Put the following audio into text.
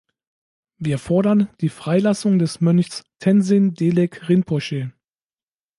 Wir fordern die Freilassung des Mönchs Tenzin Delek Rinpoche.